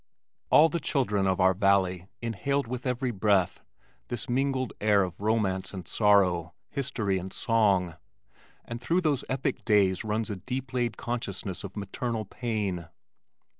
All the children of our valley inhaled with every breath this mingled air of romance and sorrow, history and song, and through those epic days runs a deep laid consciousness of maternal pain.